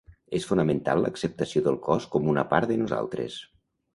És fonamental l'acceptació del cos com una part de nosaltres.